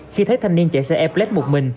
khi thấy thanh niên chạy xe e plex một mình